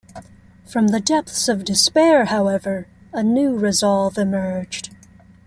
From the depths of despair however, a new resolve emerged.